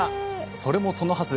それもそのはず